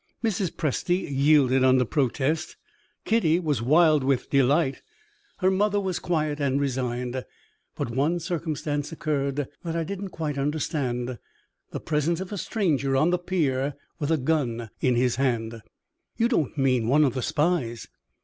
Mrs. Presty yielded under protest; Kitty was wild with delight; her mother was quiet and resigned. But one circumstance occurred that I didn't quite understand the presence of a stranger on the pier with a gun in his hand." "You don't mean one of the spies?"